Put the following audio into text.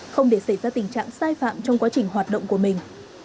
không để xảy ra tình trạng sai phạm trong quá trình hoạt động của mình